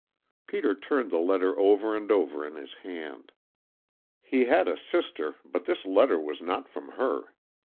Peter turned the letter over and over in his hand. He had a sister, but this letter was not from her.